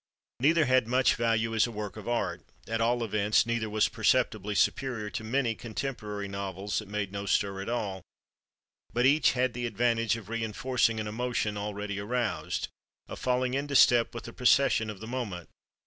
Neither had much value as a work of art—at all events, neither was perceptibly superior to many contemporary novels that made no stir at all—but each had the advantage of reënforcing an emotion already aroused, of falling into step with the procession of the moment.